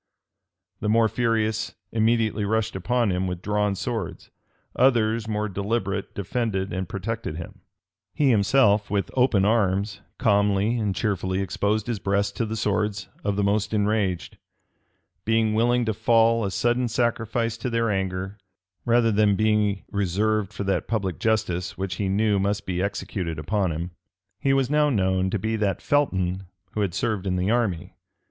The more furious immediately rushed upon him with drawn swords: others, more deliberate, defended and protected him: he himself, with open arms, calmly and cheerfully exposed his breast to the swords of the most enraged; being willing to fall a sudden sacrifice to their anger, rather than be reserved for that public justice which he knew must be executed upon him. He was now known to be that Felton who had served in the army.